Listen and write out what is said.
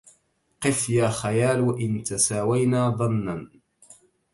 قف يا خيال وإن تساوينا ضنى